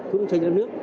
cũng xây dựng đất nước